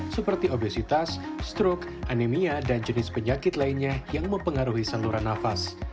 seperti obesitas stroke anemia dan jenis penyakit lainnya yang mempengaruhi saluran nafas